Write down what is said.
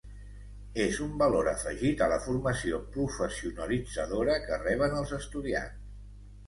És un valor afegit a la formació professionalitzadora que reben els estudiants.